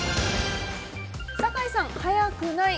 酒井さん、早くない。